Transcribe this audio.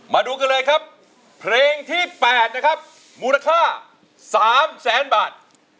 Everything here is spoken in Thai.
มาดูกันเลยครับเพลงที่๘นะครับมูลค่า๓แสนบาท